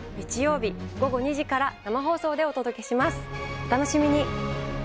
お楽しみに！